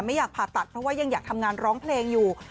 อยากผ่าตัดเพราะว่ายังอยากทำงานร้องเพลงอยู่